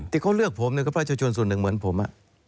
ที่เขาเลือกผมเนี่ยก็ประชาชนส่วนหนึ่งเหมือนผม